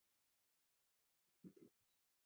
佩斯凯迪瑞是印尼最成功的俱乐部之一。